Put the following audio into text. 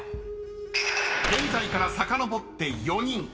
［現在からさかのぼって４人